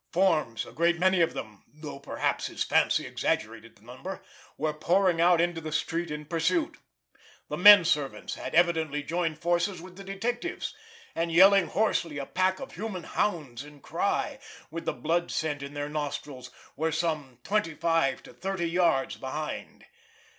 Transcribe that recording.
Forms, a great many of them, though perhaps his fancy exaggerated the number, were pouring out into the street in pursuit. The men servants had evidently joined forces with the detectives; and yelling hoarsely, a pack of human hounds in cry, with the blood scent in their nostrils, were some twenty five to thirty yards behind.